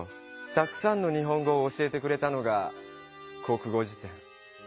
たくさんの日本語を教えてくれたのが国語辞典。